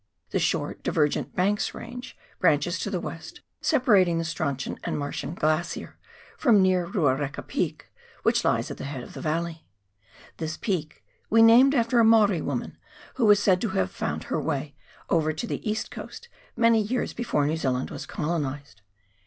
The short, divergent Banks Range branches to the west, separating the Strauchon and Marchant Glacier, from near Ruareka Peak, which lies at the head of the valley. This peak we named after a Maori woman, who was said to have found her way over to the East Coast many years before New Zealand was colonised.